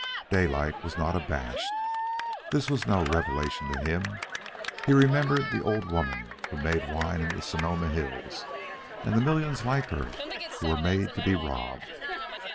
Daylight was not abashed. This was no revelation to him. He remembered the old woman who made wine in the Sonoma hills and the millions like her who were made to be robbed.